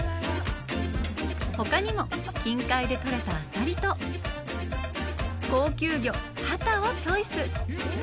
ほかにも、近海でとれたアサリと高級魚「ハタ」をチョイス。